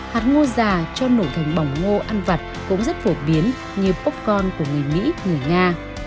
hạt ngô già cho nổ thành bỏng ngô ăn vặt cũng rất phổ biến như popcorn của người mỹ người nga